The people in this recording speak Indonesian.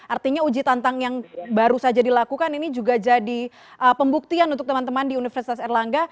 artinya uji tantang yang baru saja dilakukan ini juga jadi pembuktian untuk teman teman di universitas erlangga